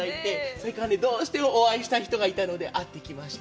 そして、どうしてもお会いしたい人がいたので、会ってきました。